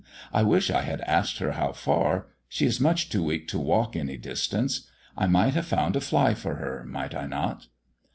I wish I had asked her how far. She is much too weak to walk any distance. I might have found a fly for her, might I not?"